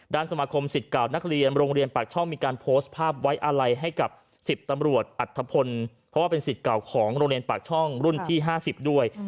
สมาคมสิทธิ์เก่านักเรียนโรงเรียนปากช่องมีการโพสต์ภาพไว้อะไรให้กับ๑๐ตำรวจอัฐพลเพราะว่าเป็นสิทธิ์เก่าของโรงเรียนปากช่องรุ่นที่๕๐ด้วย